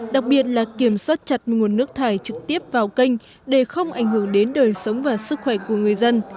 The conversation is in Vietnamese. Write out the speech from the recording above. đặc biệt là kiểm soát chặt nguồn nước thải trực tiếp vào kênh để không ảnh hưởng đến đời sống và sức khỏe của người dân